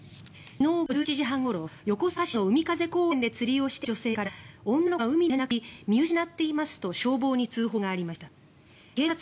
昨日午後１１時半ごろ横須賀市のうみかぜ公園で釣りをしていた女性から女の子が海に転落し見失っていますと消防に通報がありました。